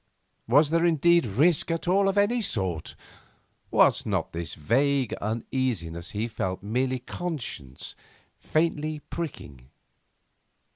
Was there, indeed, risk at all of any sort? Was not this vague uneasiness he felt merely conscience faintly pricking?